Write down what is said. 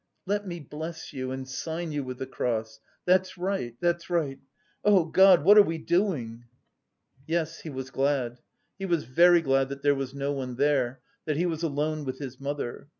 "Let me bless you and sign you with the cross. That's right, that's right. Oh, God, what are we doing?" Yes, he was glad, he was very glad that there was no one there, that he was alone with his mother.